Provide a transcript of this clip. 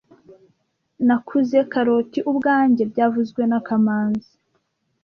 Nakuze karoti ubwanjye byavuzwe na kamanzi